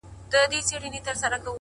هره ورځ د اصلاح امکان شته؛